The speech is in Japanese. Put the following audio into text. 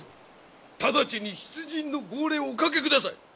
直ちに出陣の号令をおかけください！